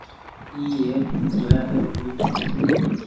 اي ايڪ گلآبي رو گل ڇي۔